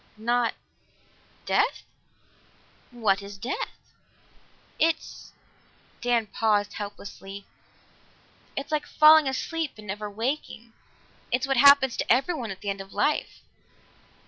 "Not death?" "What is death?" "It's " Dan paused helplessly. "It's like falling asleep and never waking. It's what happens to everyone at the end of life."